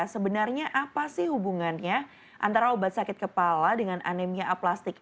sebenarnya apa sih hubungannya antara obat sakit kepala dengan anemia aplastik